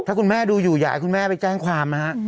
ถ้าคุณแม่ดูอยู่อยากให้คุณแม่ไปแจ้งความนะฮะ